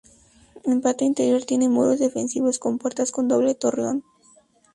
En patio interior tiene muros defensivos con puertas con doble torreón.